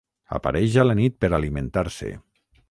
Apareix a la nit per alimentar-se.